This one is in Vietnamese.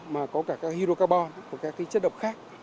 mà có cả các hydrocarbon có các cái chất độc khác